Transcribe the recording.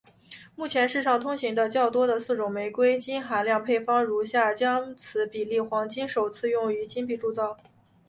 目前世上通行的较多的四种玫瑰金含量配方如下将此比例的黄金首次用于金币的铸造。